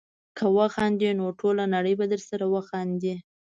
که وخاندې نو ټوله نړۍ به درسره وخاندي.